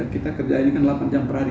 kita kerja ini kan delapan jam per hari